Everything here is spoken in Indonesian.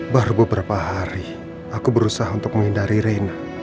baru beberapa hari aku berusaha untuk menghindari reina